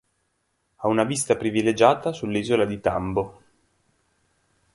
Ha una vista privilegiata sull'isola di Tambo.